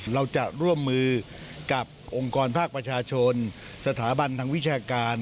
เราจะร่วมมือกับองค์กรภาคประชาชนสถาบันทางวิชาการ